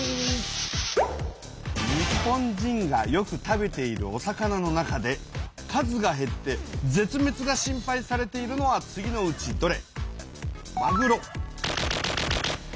日本人がよく食べているお魚の中で数がへって絶滅が心配されているのは次のうちどれ？